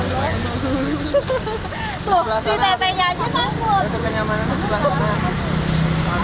tuh si teteknya aja takut